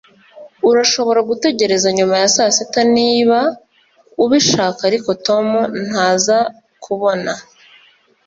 Urashobora gutegereza nyuma ya saa sita niba ubishaka ariko Tom ntazakubona